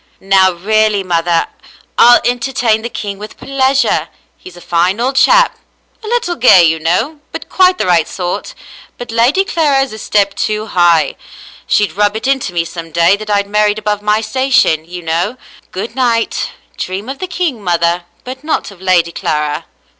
"Now really, mother; I'll entertain the king with pleasure. He's a fine old chap. A little gay, you know, but quite the right sort. But Lady Clara is a step too high. She'd rub it into me some day that I'd married above my station, you know. Good night. Dream of the king, mother, but not of Lady Clara."